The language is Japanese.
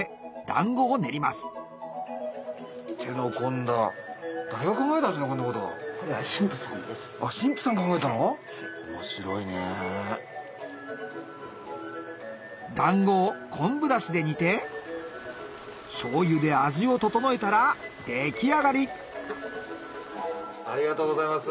だんごを昆布だしで煮てしょうゆで味を調えたら出来上がりありがとうございます